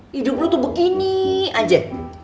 hidup lo tuh begini aja